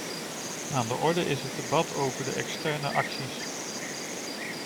Aan de orde is het debat over de externe acties.